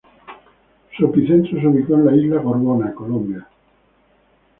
Su epicentro se ubicó en la isla Gorgona, Colombia.